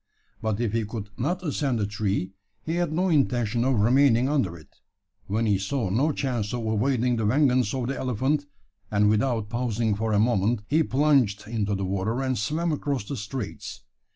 But if he could not ascend the tree, he had no intention of remaining under it when he saw no chance of avoiding the vengeance of the elephant and, without pausing for a moment, he plunged into the water, and swam across the straits.